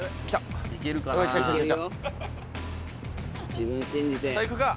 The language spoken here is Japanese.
自分信じて。